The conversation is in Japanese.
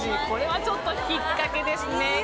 これはちょっと引っかけですね。